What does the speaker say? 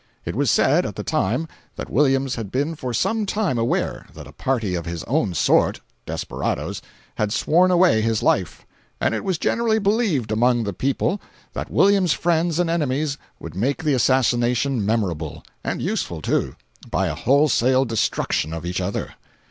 It was said, at the time, that Williams had been for some time aware that a party of his own sort (desperadoes) had sworn away his life; and it was generally believed among the people that Williams's friends and enemies would make the assassination memorable—and useful, too—by a wholesale destruction of each other.